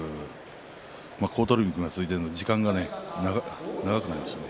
好取組が続いているので時間が長くなりましたね